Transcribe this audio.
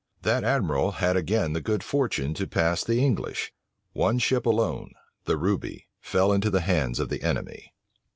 That admiral had again the good fortune to pass the English. One ship alone, the Ruby, fell into the hands of the enemy.